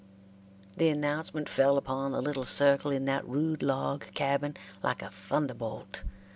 The announcement fell upon the little circle in that rude log cabin like a thunderbolt.